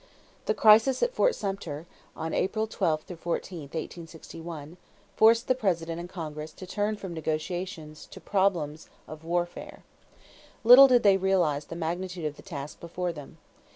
= The crisis at Fort Sumter, on April 12 14, 1861, forced the President and Congress to turn from negotiations to problems of warfare. Little did they realize the magnitude of the task before them.